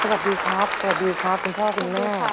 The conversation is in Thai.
สวัสดีครับสวัสดีครับคุณพ่อคุณแม่